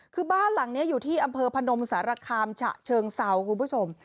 คือบ้านหลังนี้อยู่ที่อำเภอพนมสารคามฉะเชิงเซาคุณผู้ชม